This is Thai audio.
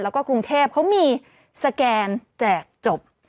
แล้วก็กรุงเทพเขามีสแกนแจกจบ